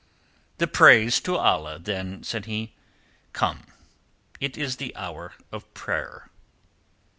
"The praise to Allah, then," said he. "Come, it is the hour of prayer!"